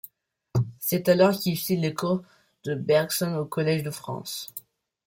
C'est alors qu'il suit les cours de Bergson au Collège de France.